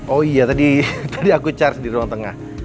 oh iya tadi aku charge di ruang tengah